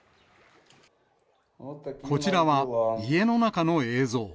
こちらは家の中の映像。